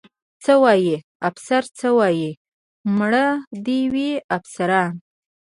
څه وایي؟ افسر څه وایي؟ مړه دې وي افسران.